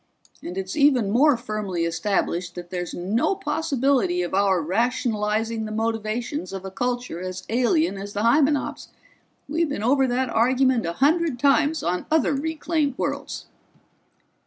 And it's even more firmly established that there's no possibility of our rationalizing the motivations of a culture as alien as the Hymenops' we've been over that argument a hundred times on other reclaimed worlds."